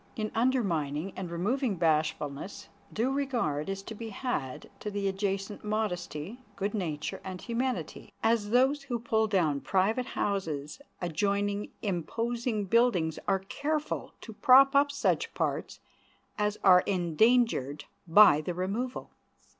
In undermining and removing bashfulness, due regard is to be had to the adjacent modesty, good nature, and humanity, as those who pull down private houses adjoining imposing buildings are careful to prop up such parts as are endangered by the removal.